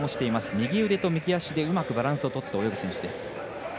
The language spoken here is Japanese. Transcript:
右腕と右足でうまくバランスをとって泳ぐ選手です。